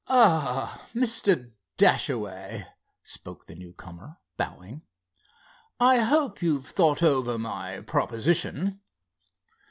"Ah, Mr. Dashaway," spoke the newcomer, bowing, "I hope you've thought over my proposition."